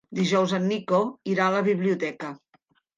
Dijous en Nico irà a la biblioteca.